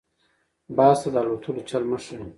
- باز ته دالوتلو چل مه ښیه.